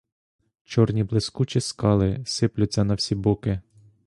Чорні блискучі скали сиплються на всі боки.